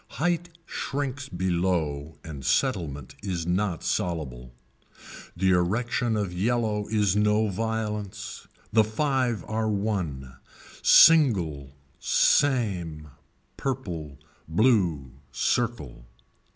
Height shrinks below and settlement is not soluble. The erection of yellow is no violence. The five are won. Single, same, purple, blue, circle.